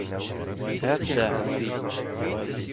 Tesɛiḍ ssaɛa.